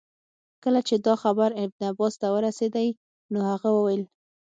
کله چي دا خبر ابن عباس ته ورسېدی نو هغه وویل.